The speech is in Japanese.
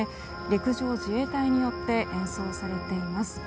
陸上自衛隊によって演奏されています。